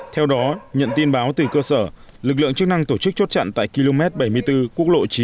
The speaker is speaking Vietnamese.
theo đó nhận tin báo từ cơ sở lực lượng chức năng tổ chức chốt chặn tại km bảy mươi bốn quốc lộ chín